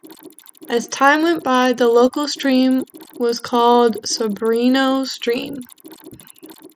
As time went by the local stream was called Sobradinho Stream.